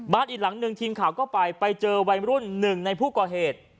อีกหลังหนึ่งทีมข่าวก็ไปไปเจอวัยรุ่นหนึ่งในผู้ก่อเหตุ